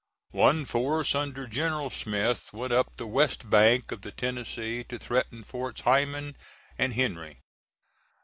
One force under General Smith went up the west bank of the Tennessee to threaten Forts Heiman and Henry.